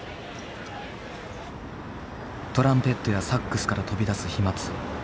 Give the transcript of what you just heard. トランペットやサックスから飛び出す飛まつ。